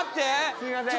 すみません。